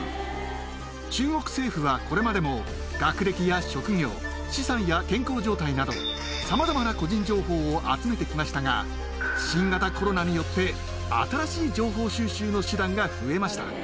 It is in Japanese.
中国政府はこれまでも、学歴や職業、資産や健康状態など、さまざまな個人情報を集めてきましたが、新型コロナによって新しい情報収集の手段が増えました。